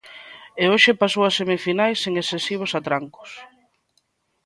E hoxe pasou a semifinais sen excesivos atrancos.